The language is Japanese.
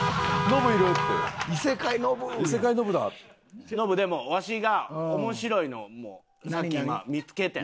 ノブでもわしが面白いのをさっき見つけて。